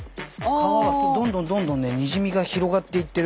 革はどんどんどんどんねにじみが広がっていってる。